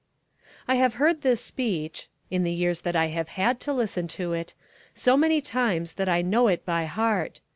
I have heard this speech (in the years when I have had to listen to it) so many times that I know it by heart.